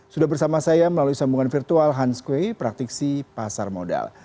sudah bersama saya melalui sambungan virtual hans kue praktisi pasar modal